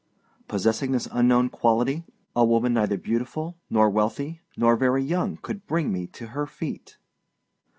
Possessing this unknown quality, a woman neither beautiful nor wealthy nor very young could bring me to her feet.